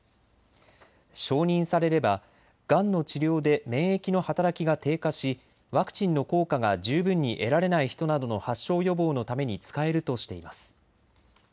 承認されれば、がんの治療で免疫の働きが低下しワクチンの効果が十分に得られない人などの発症予防のために使えるとしています。